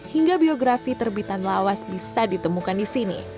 hingga biografi terbitan lawas bisa ditemukan di sini